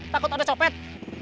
takut ada copet